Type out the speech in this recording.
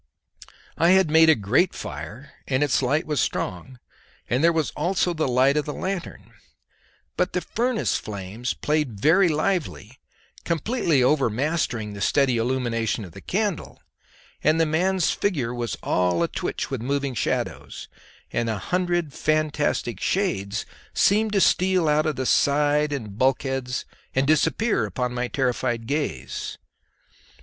I had made a great fire and its light was strong, and there was also the light of the lanthorn; but the furnace flames played very lively, completely overmastering the steady illumination of the candle, and the man's figure was all a twitch with moving shadows, and a hundred fantastic shades seemed to steal out of the side and bulkheads and disappear upon my terrified gaze.